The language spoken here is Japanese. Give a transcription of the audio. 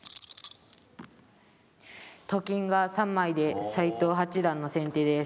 と金が３枚で斎藤八段の先手です。